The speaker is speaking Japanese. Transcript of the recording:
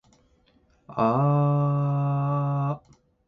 あああああああああああああああああああ